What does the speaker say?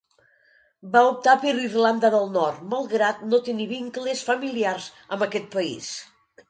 Va optar per Irlanda del Nord, malgrat no tenir vincles familiars amb aquest país.